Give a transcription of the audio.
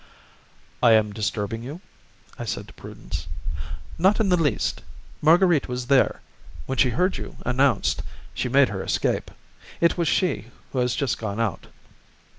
"I am disturbing you," I said to Prudence. "Not in the least. Marguerite was there. When she heard you announced, she made her escape; it was she who has just gone out."